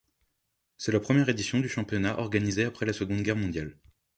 C'est la première édition du championnat organisée après la Seconde Guerre mondiale.